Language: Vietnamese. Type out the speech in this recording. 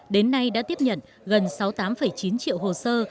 đến nay đã tiếp nhận gần sáu mươi tám chín triệu hồ sơ